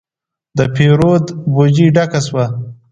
د پیرود بوجي ډکه شوه.